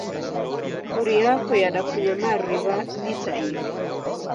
Mburi yapo yadafunya mariw'a lita iw'i.